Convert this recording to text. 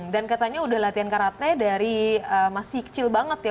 dan katanya udah latihan karate dari masih kecil banget ya